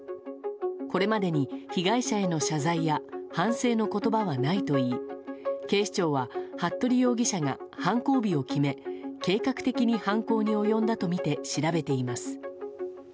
これまでに被害者への謝罪や反省の言葉はないといい警視庁は服部容疑者が犯行日を決め計画的に犯行に及んだとみて調べています。